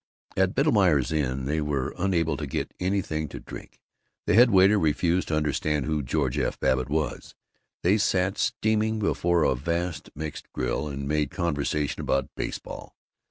At Biddlemeier's Inn they were unable to get anything to drink. The head waiter refused to understand who George F. Babbitt was. They sat steaming before a vast mixed grill, and made conversation about baseball.